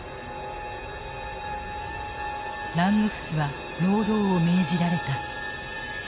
ラングフスは労働を命じられた。